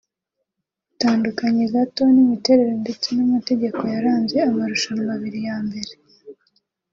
Bitandukanye gato n’imiterere ndetse n’amategeko yaranze amarushanwa abiri ya mbere